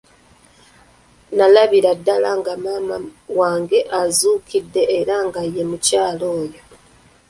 Nalabira ddala nga maama wange azuukidde era nga ye mukyala oyo.